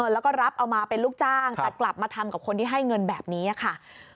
แล้วก็รับเอามาเป็นลูกจ้างแต่กลับมาทำกับคนที่ให้เงินแบบนี้ค่ะ